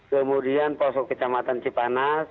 kemudian posko kecamatan cipanas